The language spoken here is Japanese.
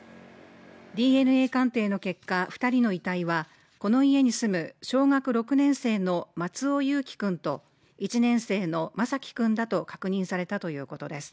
ＤＮＡ鑑定の結果、２人の遺体はこの家に住む小学６年生の松尾侑城君と１年生の眞輝君だと確認されたということです。